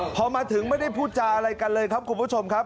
พอมาถึงไม่ได้พูดจาอะไรกันเลยครับคุณผู้ชมครับ